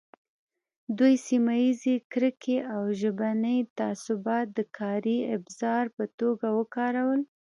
دوی سیمه ییزې کرکې او ژبني تعصبات د کاري ابزار په توګه وکارول.